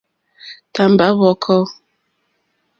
Tàmbá hwɔ̄kɔ̄.